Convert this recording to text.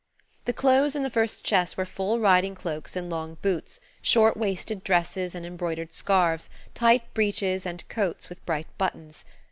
The clothes in the first chest were full riding cloaks and long boots, short waisted dresses and embroidered scarves, tight breeches and coats with bright buttons.